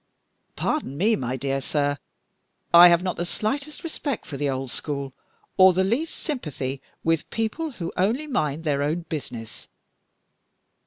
"Pardon me, my dear sir, I have not the slightest respect for the old school, or the least sympathy with people who only mind their own business.